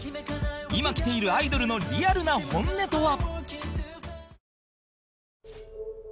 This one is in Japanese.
今きているアイドルのリアルな本音とは？